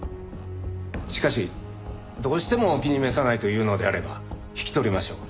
しかしどうしてもお気に召さないというのであれば引き取りましょう。